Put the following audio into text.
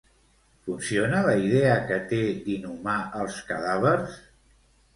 Funciona la idea que té d'inhumar els cadàvers?